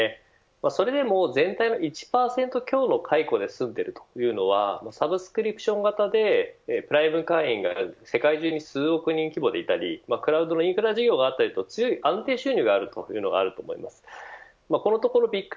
それでも全体の１％強の解雇で済んでいるというのはサブスクリプション型でプライム会員が世界中に数億人規模でいたりクラウドのインフラ需要があったりとすごい強い安定収入であると思います。